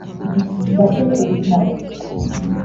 bace ku bitaro